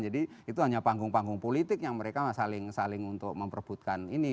itu hanya panggung panggung politik yang mereka saling untuk memperbutkan ini